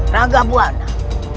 rangkap buah anak